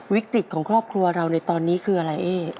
วิกฤตของครอบครัวเราในตอนนี้คืออะไรเอ๊